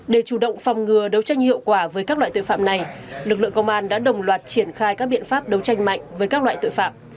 để chủ động phòng ngừa đấu tranh hiệu quả với các loại tội phạm này lực lượng công an đã đồng loạt triển khai các biện pháp đấu tranh mạnh với các loại tội phạm